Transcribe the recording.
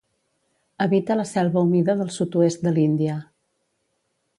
Habita la selva humida del sud-oest de l'Índia.